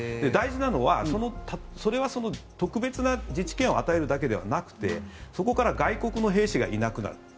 大事なのはそれは特別な自治権を与えるだけではなくてそこから外国の兵士がいなくなる。